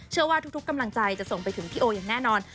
ว่าทุกกำลังใจจะส่งไปถึงพี่โออย่างแน่นอน